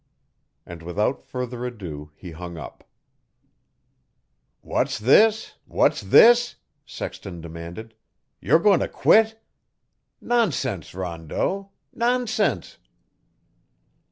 And without further ado he hung up. "What's this, what's this?" Sexton demanded. "You re going to quit? Nonsense, Rondeau, nonsense!"